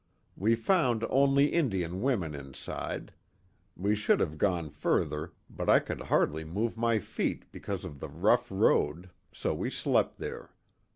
We found only Indian women inside. We should have gone further, but I could hardly move my feet because of the rough road, so we slept there.